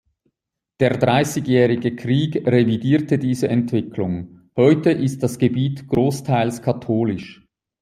Der Dreißigjährige Krieg revidierte diese Entwicklung, heute ist das Gebiet großteils katholisch.